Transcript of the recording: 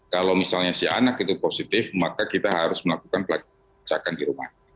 kalau misalnya si anak itu positif maka kita harus melakukan pelacakan di rumah